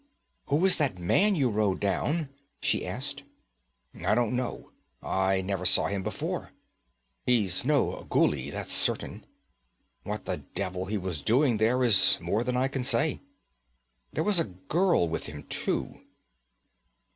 'Who was that man you rode down?' she asked. 'I don't know. I never saw him before. He's no Ghuli, that's certain. What the devil he was doing there is more than I can say. There was a girl with him, too.'